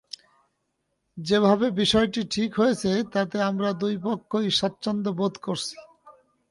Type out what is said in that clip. যেভাবে বিষয়টি ঠিক হয়েছে তাতে আমরা দুই পক্ষই স্বাচ্ছন্দ্য বোধ করছি।